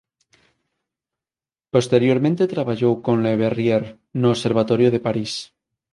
Posteriormente traballou con Le Verrier no observatorio de París.